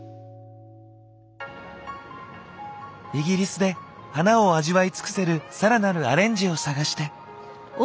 イギリスで花を味わい尽くせる更なるアレンジを探して。